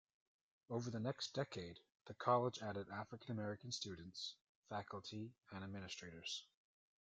Over the next decade, the college added African-American students, faculty and administrators.